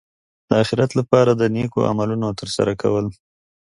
د اخرت لپاره د نېکو عملونو ترسره کول.